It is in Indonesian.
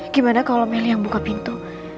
gimana kalau meliang buka pintu